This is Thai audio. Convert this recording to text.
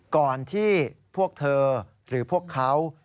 ก่อนที่พวกเธอหรือพวกเขา